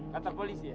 katar polisi ya